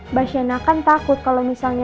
mbak shina kan takut kalau misalnya